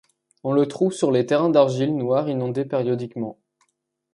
On le trouve sur les terrains d'argile noire inondés périodiquement.